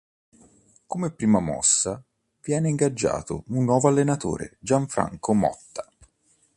Come prima mossa, viene ingaggiato un nuovo allenatore, Gianfranco Motta.